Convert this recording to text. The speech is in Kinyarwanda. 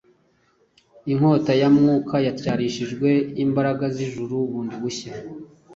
Inkota ya Mwuka yatyarishijwe imbaraga z’ijuru bundi bushya